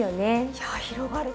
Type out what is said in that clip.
いや広がる！